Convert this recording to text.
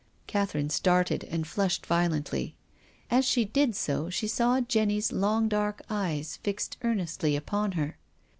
Catherine started and flushed violently. As she did so she saw Jenny's long dark eyes fixed earnestly upon her.